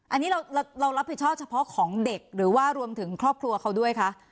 อันนี้เรารับผิดชอบเฉพาะของเด็กหรือว่ารวมถึงครอบครัวเขาด้วยคะ